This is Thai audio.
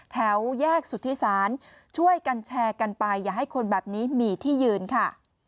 แถวแยกสุธิศาลช่วยกันแชร์กันไปอย่าให้คนแบบนี้มีที่ยืนค่ะ